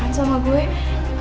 aku nggak bisa mencarimu